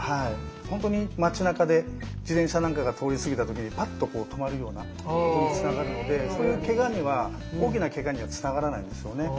ほんとに町なかで自転車なんかが通り過ぎた時にパッと止まるような動きにつながるのでそういうケガには大きなケガにはつながらないんですよね。